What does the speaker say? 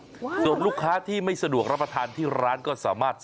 ส่วนลูกค้าที่ไม่สะดวกรับประทานที่ร้านก็สามารถ